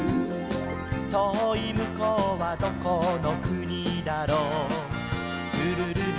「とおいむこうはどこのくにだろ」「ルルルル」